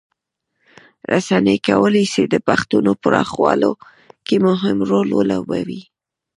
رسنۍ کولی سي د پښتو پراخولو کې مهم رول ولوبوي.